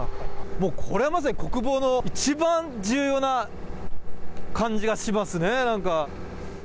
もうこれはまさに国防の一番重要な感じがしますね、なんか。